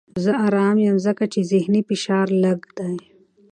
زه ارام یم ځکه چې ذهني فشار لږ دی.